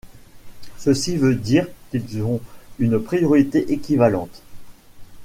Ceci veut dire qu'ils ont une priorité équivalente.